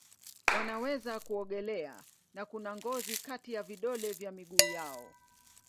Wanaweza kuogelea na kuna ngozi kati ya vidole vya miguu yao.